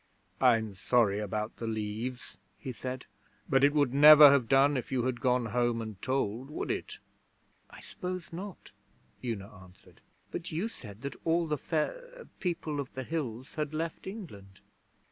'I'm sorry about the Leaves,' he said, 'but it would never have done if you had gone home and told, would it?' 'I s'pose not,' Una answered. 'But you said that all the fair People of the Hills had left England.'